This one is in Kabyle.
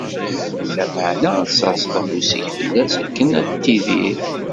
Lameɛna ad tserseḍ afus-ik fell-as akken ad tidir.